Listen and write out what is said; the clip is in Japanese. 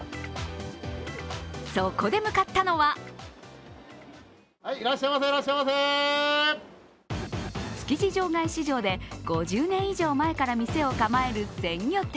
そこで向かったのは築地場外市場で５０年以上前から店を構える鮮魚店。